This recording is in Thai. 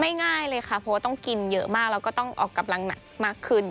ง่ายเลยค่ะเพราะว่าต้องกินเยอะมากแล้วก็ต้องออกกำลังหนักมากขึ้น